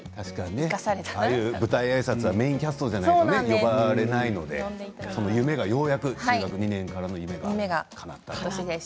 確かにああいう舞台あいさつはメインキャストじゃないと呼ばれないのでその夢がようやく中学２年からの夢がかなったと。